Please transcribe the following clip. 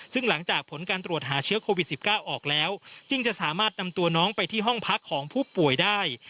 ซึ่งหลังจากผลการตรวจหาเชื้อโควิด๑๙ออกแล้วจึงจะสามารถนำตัวน้องไปที่ห้องพักของผู้ป่วยได้